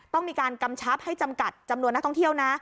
ต้องมีการกำชับให้จำกัดจำนวนนักท่องเที่ยวนะ